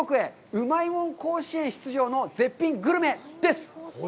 うまいもん甲子園出場の絶品グルメです！